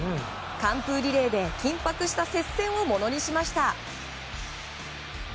完封リレーで緊迫した接戦をものにしました。